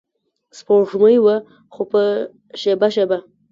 سپوږمۍ وه خو په شیبه شیبه